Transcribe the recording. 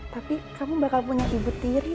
tapi kamu bakal punya ibu tiri